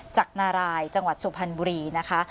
จากนารายจังหวัดสุพรรณบุรีนะคะ